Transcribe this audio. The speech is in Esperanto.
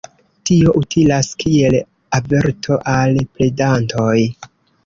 Tio utilas kiel averto al predantoj.